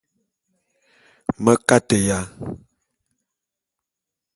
Me kateya.